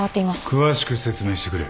詳しく説明してくれ。